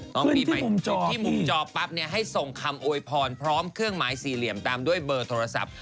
ปีใหม่จบที่มุมจอปั๊บให้ส่งคำโวยพรพร้อมเครื่องหมายสี่เหลี่ยมตามด้วยเบอร์โทรศัพท์